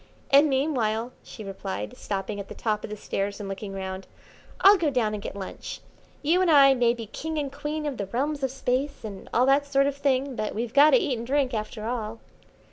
"And meanwhile," she replied, stopping at the top of the stairs and looking round, "I'll go down and get lunch. You and I may be king and queen of the realms of Space, and all that sort of thing, but we've got to eat and drink, after all."